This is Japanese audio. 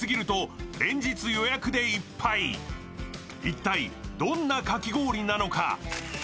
一体、どんなかき氷なのか。